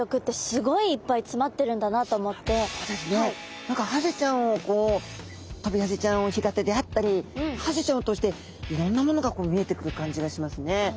何かハゼちゃんをこうトビハゼちゃんを干潟であったりハゼちゃんを通していろんなものがこう見えてくる感じがしますね。